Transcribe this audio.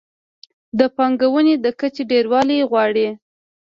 د پانګونې د کچې ډېروالی غواړي.